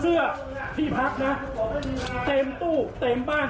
เสื้อที่พักนะเต็มตู้เต็มบ้าน